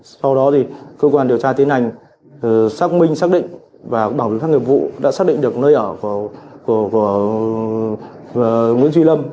sau đó thì cơ quan điều tra tiến hành xác minh xác định và bảo vệ pháp nghiệp vụ đã xác định được nơi ở của nguyễn duy lâm